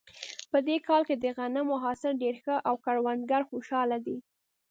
په دې کال کې د غنمو حاصل ډېر ښه و او کروندګر خوشحاله دي